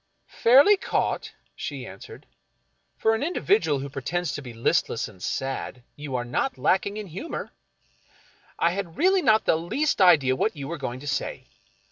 " Fairly caught," she answered. " For an individual who pretends to be listless and sad you are not lacking in humor. I had really not the least idea what you were going to say.